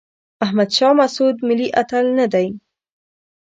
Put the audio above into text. احمد شاه مسعود ملي اتل نه دی.